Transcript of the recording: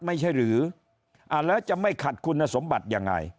ไม่ใช่หรือแล้วจะไม่ขัดคุณสมบัติยังไง